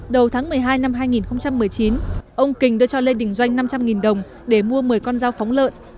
đầu tháng một mươi hai năm hai nghìn một mươi chín ông kình đưa cho lê đình doanh năm trăm linh đồng để mua một mươi con dao phóng lợn